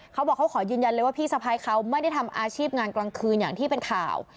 เขาบอกเขาขอยืนยันเลยว่าพี่สะพ้ายเขาไม่ได้ทำอาชีพงานกลางคืนอย่างที่เป็นข่าว